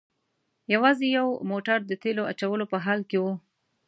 یوازې یو موټر د تیلو اچولو په حال کې و.